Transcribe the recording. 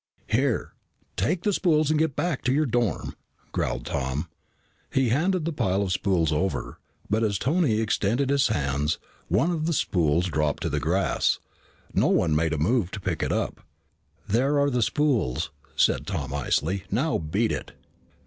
"Here, take the spools and get back to your dorm," growled Tom. He handed the pile of spools over, but as Tony extended his hands, one of the spools dropped to the grass. No one made a move to pick it up. "There are the spools," said Tom icily. "Now beat it."